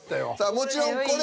もちろん。